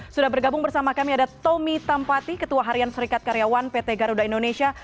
sudah bergabung bersama kami ada tommy tampati ketua harian serikat karyawan pt garuda indonesia